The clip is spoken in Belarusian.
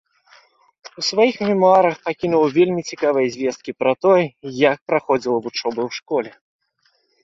У сваіх мемуарах пакінуў вельмі цікавыя звесткі пра тое, як праходзіла вучоба ў школе.